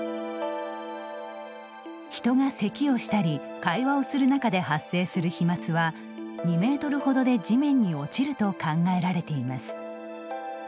人がせきをしたり会話をする中で発生する飛まつは２メートルほどで地面に落ちると考えられています。